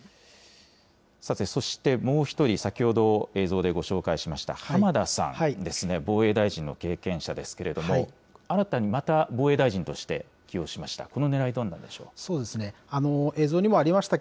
さて、そしてもう一人、先ほど、映像でご紹介しました浜田さんですね、防衛大臣の経験者ですけれども、新たにまた、防衛大臣として起用しました。